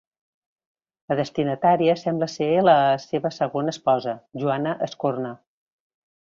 La destinatària sembla ser la seva segona esposa, Joana Escorna.